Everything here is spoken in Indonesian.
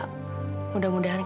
semoga kamu berbahagia ya